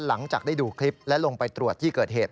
หลังจากได้ดูคลิปและลงไปตรวจที่เกิดเหตุ